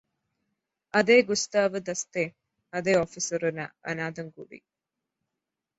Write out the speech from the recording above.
അതെ ഗുസ്താവ് ദസ്തേ അതേ ഓഫീസര് ഒരു അനാഥന് കൂടി